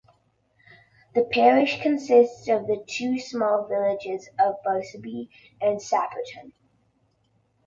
The parish consists of the two small villages of Braceby and Sapperton.